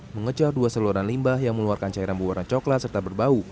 mengecah dua saluran limbah yang mengeluarkan cairan berwarna coklat serta berbau